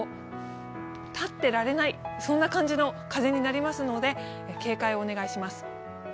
立ってられない、そんな感じの風になりますので警戒をお願いします。